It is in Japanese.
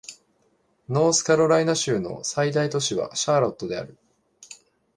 ノースカロライナ州の最大都市はシャーロットである